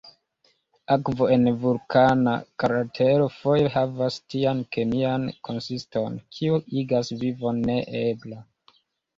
Akvo en vulkana kratero foje havas tian kemian konsiston, kiu igas vivon neebla.